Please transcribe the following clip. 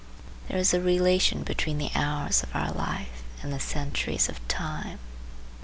There is a relation between the hours of our life and the centuries of time.